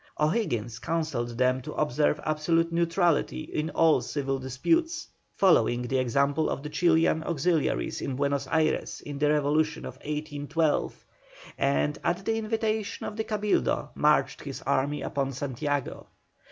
O'Higgins counselled them to observe absolute neutrality in all civil disputes, following the example of the Chilian auxiliaries in Buenos Ayres in the revolution of 1812, and at the invitation of the Cabildo marched his army upon Santiago.